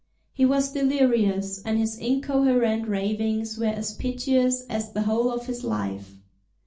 He was delirious, and his incoherent ravings were as piteous as the whole of his life.